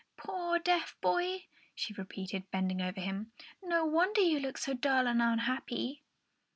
"Poor deaf boy!" she repeated, bending over him; "no wonder you look so dull and unhappy!"